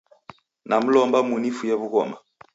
Namlomba munifue w'ughoma